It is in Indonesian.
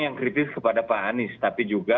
yang kritis kepada pak anies tapi juga